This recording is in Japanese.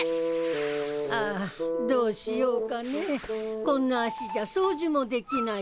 ああどうしようかねぇこんな足じゃ掃除もできないよ。